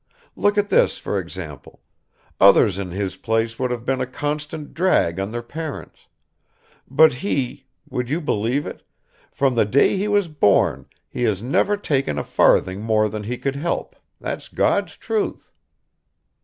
Look at this, for example; others in his place would have been a constant drag on their parents; but he would you believe it? from the day he was born he has never taken a farthing more than he could help, that's God's truth."